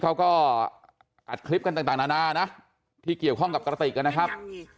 เขาก็อัดคลิปกันต่างนานานะที่เกี่ยวข้องกับกระติกนะครับ